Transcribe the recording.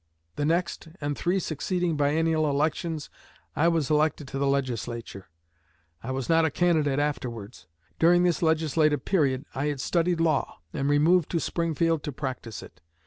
The next, and three succeeding biennial elections, I was elected to the Legislature. I was not a candidate afterwards. During this legislative period I had studied law, and removed to Springfield to practice it.